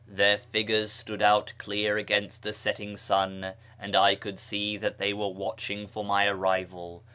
Their figures stood out clear against the setting sun, and I could see that they were watching for my arrival.